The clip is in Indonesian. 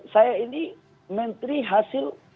saya ini menteri hasil